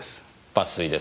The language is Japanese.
抜粋ですか。